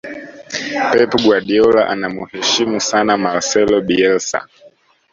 pep guardiola anamuheshimu sana marcelo bielsa